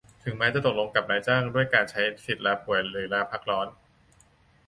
ถึงแม้จะตกลงกับนายจ้างด้วยการใช้สิทธิ์ลาป่วยหรือลาพักร้อน